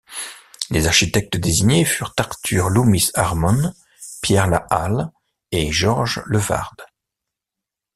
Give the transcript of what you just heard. Les architectes désignés furent Arthur Loomis Harmon, Pierre Lahalle et Georges Levard.